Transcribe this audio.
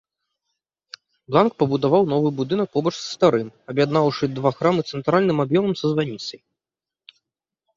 Бланк пабудаваў новы будынак побач са старым, аб'яднаўшы два храмы цэнтральным аб'ёмам са званіцай.